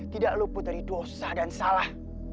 tidak luput dari dosa dan salah